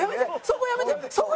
そこやめて！